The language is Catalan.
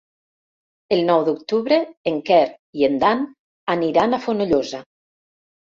El nou d'octubre en Quer i en Dan aniran a Fonollosa.